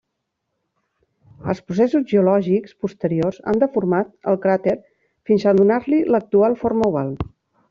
Els processos geològics posteriors han deformat el cràter fins a donar-li l'actual forma oval.